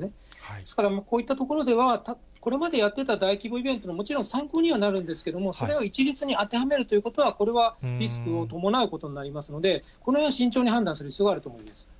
ですからこういったところでは、これまでやってた大規模イベントももちろん参考にはなるんですけれども、それを一律に当てはめるということは、これはリスクを伴うことになりますので、これは慎重に判断する必要があると思います。